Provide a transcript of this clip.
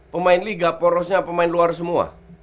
pemain liga porosnya pemain luar semua